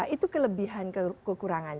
itu kelebihan kekurangan